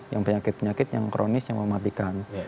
yang penyakit penyakit yang kronis yang mematikan